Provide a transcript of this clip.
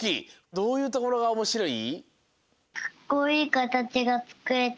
どういうところがおもしろい？